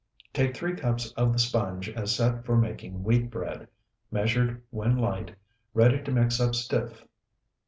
Take three cups of the sponge as set for making wheat bread, measured when light, ready to mix up stiff.